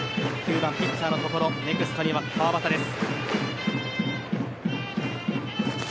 ９番ピッチャーのところネクストには川端です。